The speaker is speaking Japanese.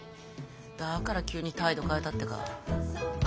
だから急に態度変えたってか？